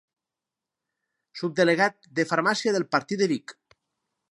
Subdelegat de Farmàcia del partit de Vic.